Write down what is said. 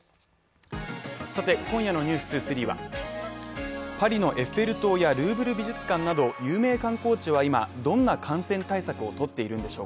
さて、今夜の「ｎｅｗｓ２３」はパリのエッフェル塔やルーブル美術館など有名観光地は今、どんな感染対策を取っているんでしょう